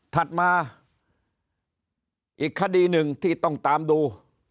ถัดมาอีกคดีหนึ่งที่ต้องตามดู